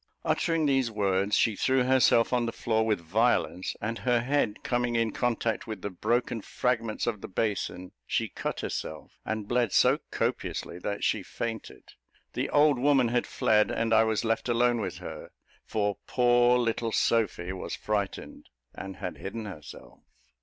Uttering these words, she threw herself on the floor with violence, and her head coming in contact with the broken fragments of the basin, she cut herself, and bled so copiously that she fainted. The old woman had fled, and I was left alone with her, for poor little Sophy was frightened, and had hidden herself.